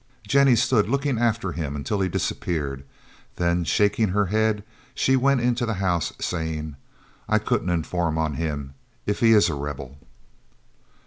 Jennie stood looking after him until he disappeared, then shaking her head, she went into the house, saying: "I couldn't inform on him, if he is a Rebel."